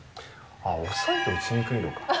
あっ、遅いと打ちにくいのか？